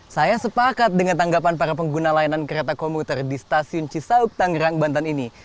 saya sepakat dengan tanggapan para pengguna layanan kereta komuter di stasiun cisauk tangerang banten ini